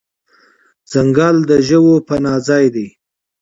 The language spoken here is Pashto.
ځنګل د ژوو پناه ځای دی.